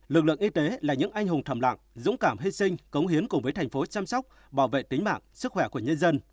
lực lượng y tế là những anh hùng thầm lặng dũng cảm hy sinh cống hiến cùng với thành phố chăm sóc bảo vệ tính mạng sức khỏe của nhân dân